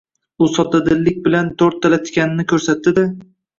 U soddadillik bilan to‘rttala tikanini ko‘rsatdi-da